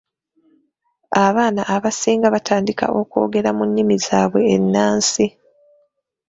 Abaana abasinga batandika okwogera mu nnimi zaabwe ennansi.